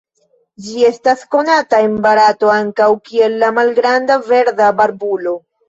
Ĝi estas konata en Barato ankaŭ kiel la Malgranda verda barbulo.